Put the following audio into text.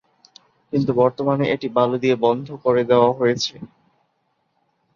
কিন্তু বর্তমানে এটি বালু দিয়ে বন্ধ করে দেওয়া হয়েছে।